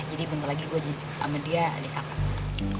jadi bentar lagi gue jadi sama dia adik kakak